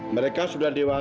mer kamu tega